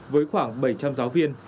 với khoảng bảy trăm linh giáo viên